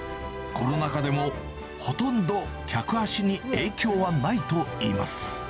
コロナ禍でもほとんど客足に影響はないといいます。